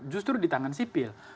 justru di tangan sipil